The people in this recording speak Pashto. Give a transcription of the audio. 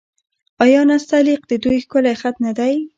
آیا نستعلیق د دوی ښکلی خط نه دی؟